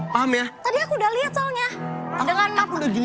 tadi aku udah liat soalnya